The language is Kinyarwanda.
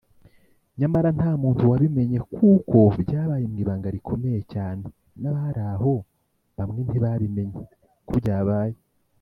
nyamara nta muntu wabimenye kuko byabaye mwibanga rikomeye cyane nabaraho bamwe ntibabimenye kobyabaye